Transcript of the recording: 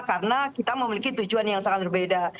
karena kita memiliki tujuan yang sangat berbeda